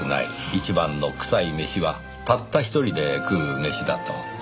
一番の臭い飯はたった一人で食う飯だと。